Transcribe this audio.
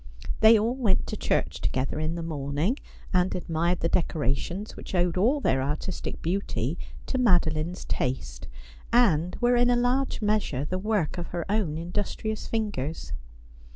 They all went to church together in the morning, and admired the decorations, which owed all their artistic beauty to Madeline's taste, and were in a large measure the work of her own indus trious fingers.